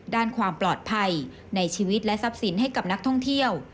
ด้านความปลอดภัยในชีวิตและทรัพย์สินให้กับนักท่องเที่ยว